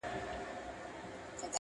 انارکلي! دا مرغلري اوښکي چاته ور وړې؟٫